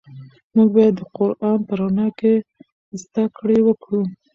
موږ باید د قرآن په رڼا کې زده کړې وکړو.